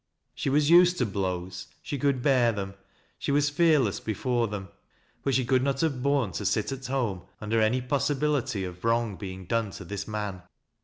She was used to blows, she con id bear them, she was fearless before them, — but she could aot have borne to sit at home, under any possibility ol wrong being done to this man.